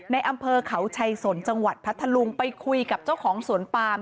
ในอำเภอเขาชัยสนจังหวัดพัทธลุงไปคุยกับเจ้าของสวนปาม